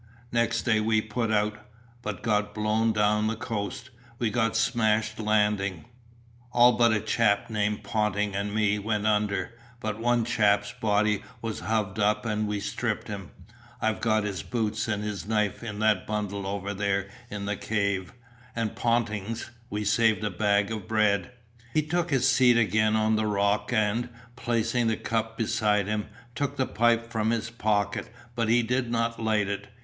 Next day we put out, but got blown down the coast; we got smashed landing; all but a chap named Ponting and me went under, but one chap's body was hove up and we stripped him. I've got his boots and his knife in that bundle over there in the cave, and Ponting's. We saved a bag of bread." He took his seat again on the rock and, placing the cup beside him, took the pipe from his pocket, but he did not light it.